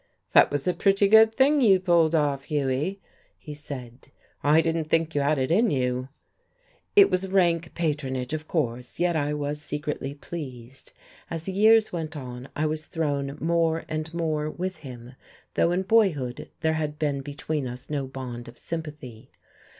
"That was a pretty good thing you pulled off, Hughie," he said. "I didn't think you had it in you." It was rank patronage, of course, yet I was secretly pleased. As the years went on I was thrown more and more with him, though in boyhood there had been between us no bond of sympathy.